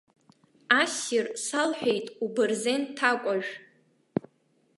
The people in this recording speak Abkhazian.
Ассир салҳәеит убырзен ҭакәажә!